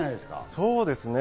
そうですね。